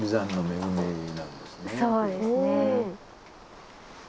そうですね。